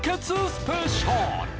スペシャル